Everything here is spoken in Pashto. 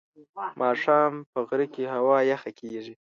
ماښام په غره کې هوا یخه کېږي.